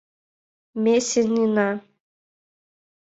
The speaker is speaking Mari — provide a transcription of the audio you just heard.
Ме сеҥена!